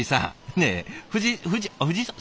ねえ藤井藤井さん？